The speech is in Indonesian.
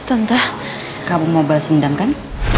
tante kamu mau bahas indah kan